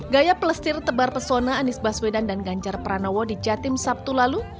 gaya pelestir tebar pesona anies baswedan dan ganjar pranowo di jatim sabtu lalu